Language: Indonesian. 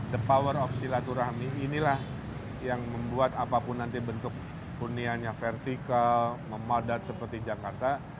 the power of silaturahmi inilah yang membuat apapun nanti bentuk hunianya vertikal memadat seperti jakarta